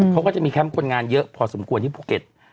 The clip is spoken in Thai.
เขาก็จะมีแคมป์คนงานเยอะพอสมควรที่ภูเก็ต